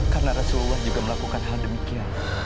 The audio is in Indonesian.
karena rasulullah juga melakukan hal demikian